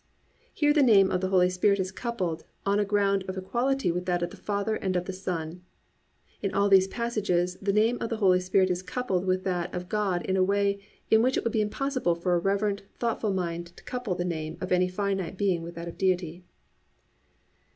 "+ Here the name of the Holy Spirit is coupled on a ground of equality with that of the Father and of the Son. In all these passages, the name of the Holy Spirit is coupled with that of God in a way in which it would be impossible for a reverent, thoughtful mind to couple the name of any finite being with that of Deity.